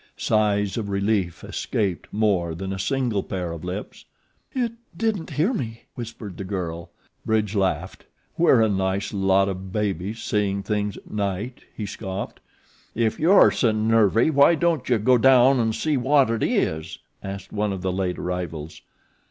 Sighs of relief escaped more than a single pair of lips. "IT didn't hear me," whispered the girl. Bridge laughed. "We're a nice lot of babies seeing things at night," he scoffed. "If you're so nervy why don't you go down an' see wot it is?" asked one of the late arrivals.